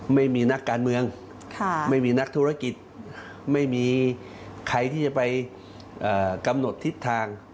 ไม่มีนักการเมืองไม่มีนักธุรกิจไม่มีใครที่จะไปกำหนดทิศทาง